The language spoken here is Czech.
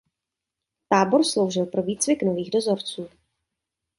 Tábor sloužil pro výcvik nových dozorců.